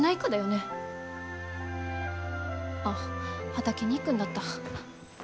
あっ畑に行くんだった。